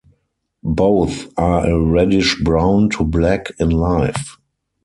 Both are a reddish brown to black in life.